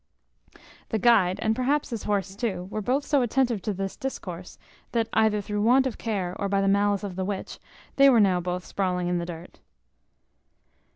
The guide, and perhaps his horse too, were both so attentive to this discourse, that, either through want of care, or by the malice of the witch, they were now both sprawling in the dirt.